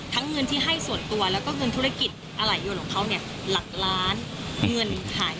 ทั้งเงินที่ให้ส่วนตัวแล้วก็เงินธุรกิจอลัยยนต์ของเขาเนี่ย